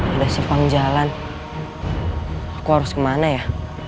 ada simpang jalan aku harus kemana ya